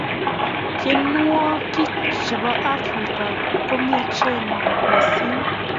tienwohik chepo afrika komiachen missing